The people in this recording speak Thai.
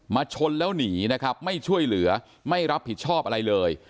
ชนแล้วหนีนะครับไม่ช่วยเหลือไม่รับผิดชอบอะไรเลย